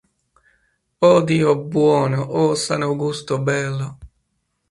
Oh Dio buono, o San Augusto bello!